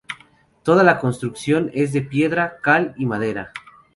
Toda la construcción es de piedra, cal y madera.